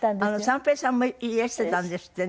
三平さんもいらしてたんですってね。